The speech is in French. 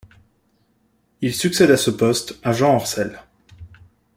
Il succède à ce poste à Jean Orcel.